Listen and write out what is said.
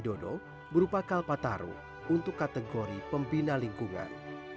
di mana nama mahluknya widodo berupa kalpataru untuk kategori pembina lingkungan